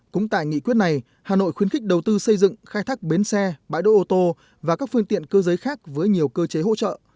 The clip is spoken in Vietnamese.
cũng tại nghị quyết này hà nội khuyến khích đầu tư xây dựng khai thác bến xe bãi đỗ ô tô và các phương tiện cơ giới khác với nhiều cơ chế hỗ trợ